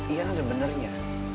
ian ada benernya